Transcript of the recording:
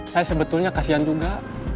saya sebetulnya kasihan juga